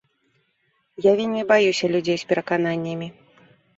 Я вельмі баюся людзей з перакананнямі.